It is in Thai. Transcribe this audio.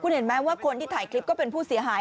เห็นไหมว่าคนที่ถ่ายคลิปก็เป็นผู้เสียหาย